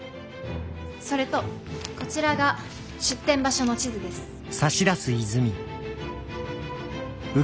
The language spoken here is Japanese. それとこちらが出店場所の地図です。